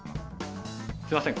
すみません。